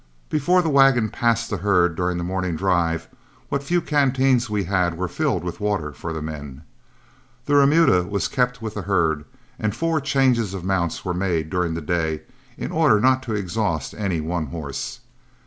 Before the wagon passed the herd during the morning drive, what few canteens we had were filled with water for the men. The remuda was kept with the herd, and four changes of mounts were made during the day, in order not to exhaust any one horse.